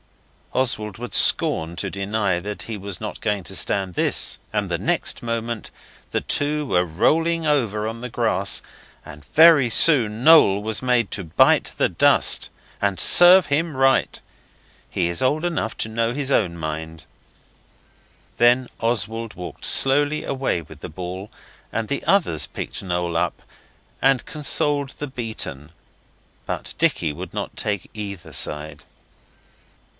Oswald would scorn to deny that he was not going to stand this, and the next moment the two were rolling over on the grass, and very soon Noel was made to bite the dust. And serve him right. He is old enough to know his own mind. Then Oswald walked slowly away with the ball, and the others picked Noel up, and consoled the beaten, but Dicky would not take either side.